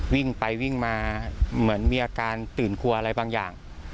วิ่งไปวิ่งมาเหมือนมีอาการตื่นครัวอะไรบางอย่าง